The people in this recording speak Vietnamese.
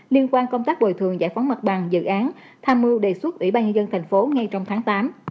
liên quan công tác bồi thường giải phóng mặt bằng dự án tham mưu đề xuất ủy ban nhân dân thành phố ngay trong tháng tám